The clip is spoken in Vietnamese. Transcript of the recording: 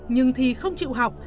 nhưng thi không chịu học